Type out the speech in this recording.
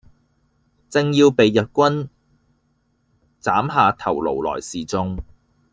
正要被日軍砍下頭顱來示衆，